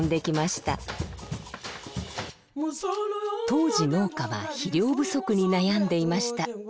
当時農家は肥料不足に悩んでいました。